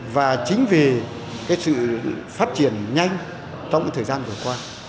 và chính vì sự phát triển nhanh trong cái thời gian vừa qua